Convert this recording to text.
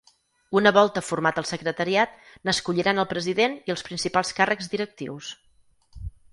Una volta format el secretariat, n’escolliran el president i els principals càrrecs directius.